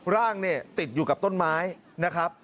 ร่างเนี่ยติดอยู่กับต้นไม้นะครับ